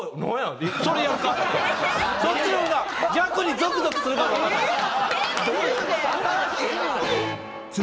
そっちの方が逆にゾクゾクするかもわからん。